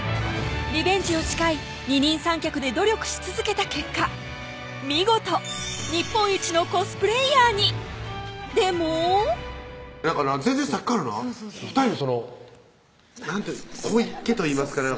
リベンジを誓い二人三脚で努力し続けた結果見事日本一のコスプレーヤーにでもなんかな